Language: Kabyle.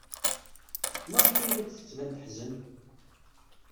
Maɣef ay la d-tettban teḥzen?